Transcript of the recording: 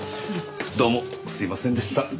どうもすいませんでした。